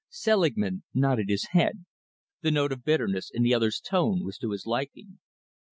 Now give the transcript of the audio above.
Selingman nodded his head. The note of bitterness in the other's tone was to his liking.